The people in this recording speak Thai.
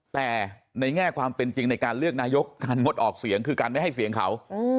แต่ในแง่ความเป็นจริงในการเลือกนายกการงดออกเสียงคือการไม่ให้เสียงเขา